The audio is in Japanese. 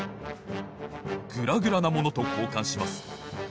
グラグラなものとこうかんします。